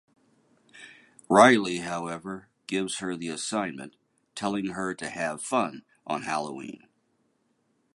Riley, however, gives her the assignment, telling her to have fun on Halloween.